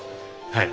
はい。